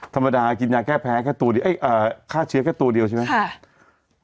ทำไมกินแค่ใช้ตัวเดียวใช่ไหม